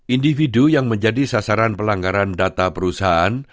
individu yang menjadi sasaran pelanggaran data perusahaan